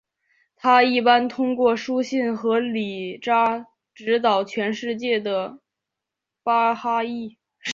它一般通过书信和信札指导全世界的巴哈伊。